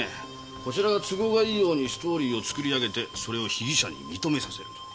こちらの都合がいいようにストーリーを作り上げてそれを被疑者に認めさせる。